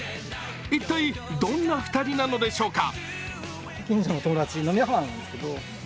一体どんな２人なのでしょうか。